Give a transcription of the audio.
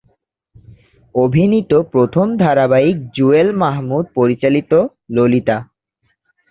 অভিনীত প্রথম ধারাবাহিক জুয়েল মাহমুদ পরিচালিত "ললিতা"।